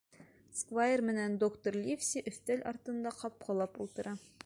Сквайр менән доктор Ливси өҫтәл артында ҡапҡылап ултыра.